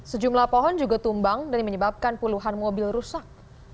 sejumlah pohon juga tumbang dan menyebabkan puluhan mobil rusak